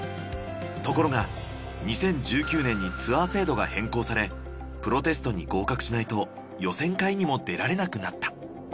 ところが２０１９年にツアー制度が変更されプロテストに合格しないと予選会にも出られなくなった。